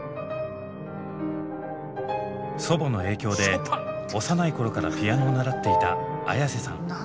祖母の影響で幼い頃からピアノを習っていたＡｙａｓｅさん。